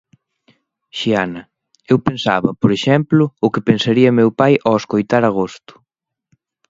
Xiana: Eu pensaba, por exemplo, o que pensaría meu pai ao escoitar Agosto.